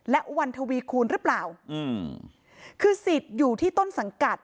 และวันทวีคูณหรือเปล่าอืมคือสิทธิ์อยู่ที่ต้นสังกัด